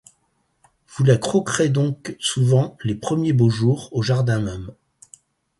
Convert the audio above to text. Vous la croquerez donc souvent les premiers beaux jours au jardin même.